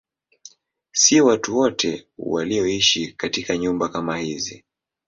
Si watu wote walioishi katika nyumba kama hizi.